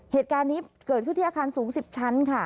เหตุการณ์นี้เกิดขึ้นที่อาคารสูง๑๐ชั้นค่ะ